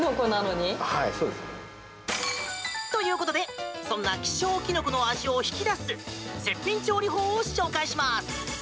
はい、そうですね。ということでそんな希少キノコの味を引き出す絶品調理法をご紹介します。